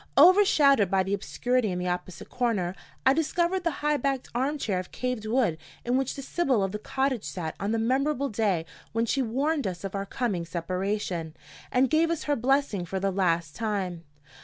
Overshadowed by the obscurity in the opposite corner, I discovered the high backed arm chair of carved wood in which the Sibyl of the cottage sat on the memorable day when she warned us of our coming separation, and gave us her blessing for the last time.